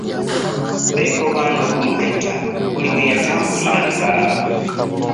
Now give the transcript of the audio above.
Beekobaana okumuketta buli we yatambuliranga.